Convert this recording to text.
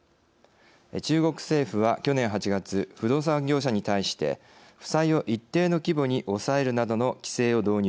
中国政府は、去年８月不動産業者に対して負債を一定の規模に抑えるなどの規制を導入。